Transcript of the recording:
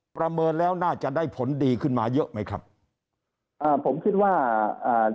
ประเมินแล้วน่าจะได้ผลดีขึ้นมาเยอะไหมครับอ่าผมคิดว่าอ่า